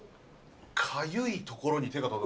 かゆいところに手が届く。